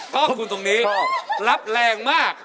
ข้อมูลตรงนี้รับแรงมาก